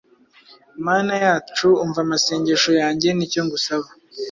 Mana yacu, umva amasengesho yanjye n’icyo ngusaba.